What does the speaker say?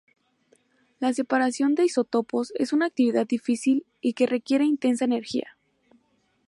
La separación de isótopos es una actividad difícil y que requiere intensa energía.